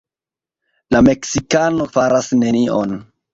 La meksikano faras nenion.